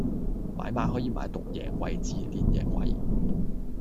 買馬可以買獨贏、位置、連贏位